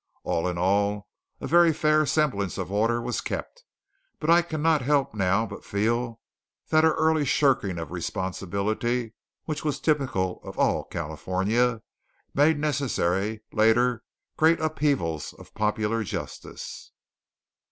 All in all a very fair semblance of order was kept; but I cannot help now but feel that our early shirking of responsibility which was typical of all California made necessary later great upheavals of popular justice.